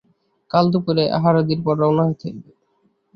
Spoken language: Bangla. কাল দুপুরে আহারাদির পর রওনা হইতে হইবে।